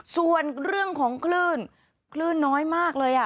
ส่วนเรื่องของคลื่นคลื่นน้อยมากเลย